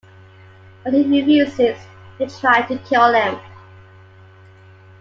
When he refuses, they try to kill him.